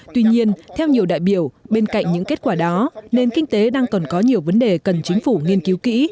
tuy nhiên theo nhiều đại biểu bên cạnh những kết quả đó nền kinh tế đang còn có nhiều vấn đề cần chính phủ nghiên cứu kỹ